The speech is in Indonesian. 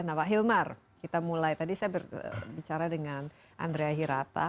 nah pak hilmar kita mulai tadi saya bicara dengan andrea hirata